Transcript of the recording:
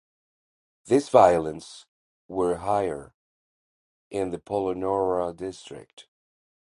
This violence were higher in the Polonnaruwa district.